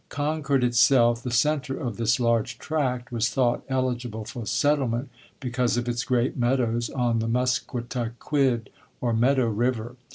Concord itself, the centre of this large tract, was thought eligible for settlement because of its great meadows on the Musketaquid or Meadow River.